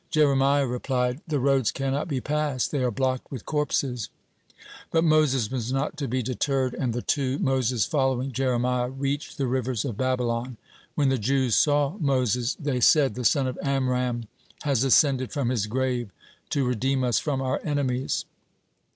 Jeremiah replied: "The roads cannot be passed, they are blocked with corpses." But Moses was not to be deterred, and the two, Moses following Jeremiah, reached the rivers of Babylon. When the Jews saw Moses, they said: "The son of Amram has ascended from his grave to redeem us from our enemies."